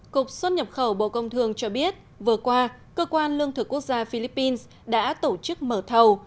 cục xuất nhập khẩu bộ công thương cho biết vừa qua cơ quan lương thực quốc gia philippines đã tổ chức mở thầu